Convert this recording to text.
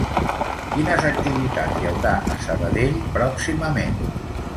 Quines activitats hi haurà a Sabadell pròximament?